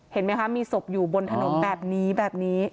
เห็นไหมคะมีศพอยู่บนถนนแบบนี้แบบนี้